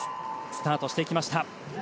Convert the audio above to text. スタートしていきました。